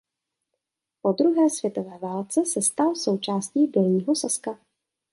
Po druhé světové válce se stal součástí Dolního Saska.